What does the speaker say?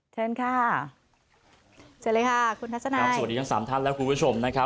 เชิญค่ะสวัสดีค่ะคุณทัศนาครับสวัสดีทั้งสามท่านและคุณผู้ชมนะครับ